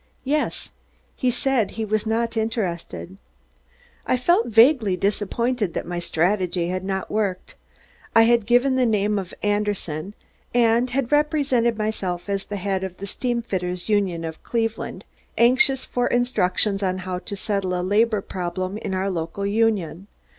"Yes. He said he was not interested." I felt vaguely disappointed that my strategy had not worked. I had given the name of Anderson, and had represented myself as the head of the Steamfitters' Union of Cleveland, anxious for instructions on how to settle a labor problem in our local union.